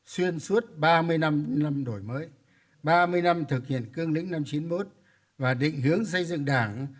xuyên suốt ba mươi năm đổi mới ba mươi năm thực hiện cương lĩnh năm chín mươi một và định hướng xây dựng đảng